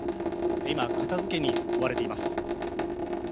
今片付けに追われています。